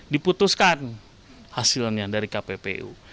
diputuskan hasilnya dari kppu